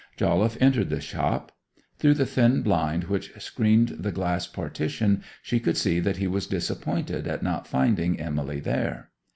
Jolliffe entered the shop. Through the thin blind which screened the glass partition she could see that he was disappointed at not finding Emily there.